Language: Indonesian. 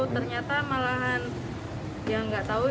ternyata malahan ya nggak tahu